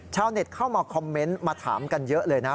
ชาวเน็ตเข้ามาคอมเมนต์มาถามกันเยอะเลยนะ